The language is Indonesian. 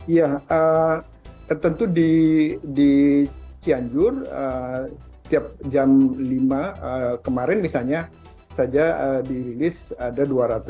ya tentu di cianjur setiap jam lima kemarin misalnya saja dirilis ada dua ratus enam puluh delapan